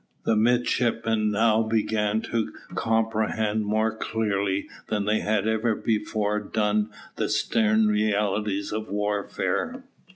The midshipmen now began to comprehend more clearly than they had ever before done the stern realities of warfare.